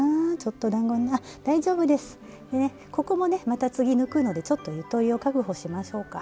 また次抜くのでちょっとゆとりを確保しましょうか。